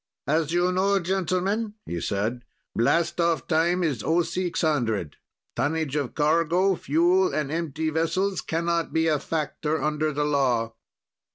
"As you know, gentlemen," he said, "blastoff time is 0600. Tonnage of cargo, fuel and empty vessels cannot be a factor, under the law.